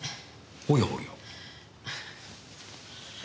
おやおや。